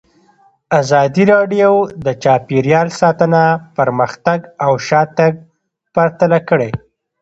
ازادي راډیو د چاپیریال ساتنه پرمختګ او شاتګ پرتله کړی.